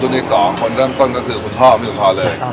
รุ่นที่๒คนเริ่มต้นก็คือคุณพ่อพี่สุนทรเลย